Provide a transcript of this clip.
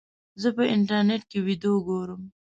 زه په انټرنیټ کې ویډیو ګورم.